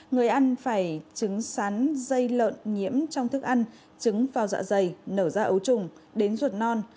người ăn phải trứng sắn dây lợn nhiễm trong thức ăn trứng phao dạ dày nở ra ấu trùng đến ruột non